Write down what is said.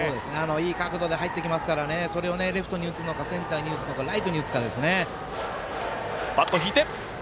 いい角度で入ってきますからそれをレフトに打つのかセンターに打つのかライトに打つかですね。